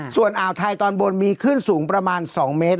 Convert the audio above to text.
ส่วนอ่าวไทยตอนบนมีคลื่นสูงประมาณ๒เมตร